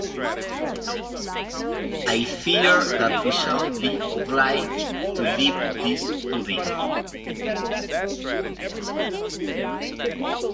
I fear that we shall be obliged to leave this pudding.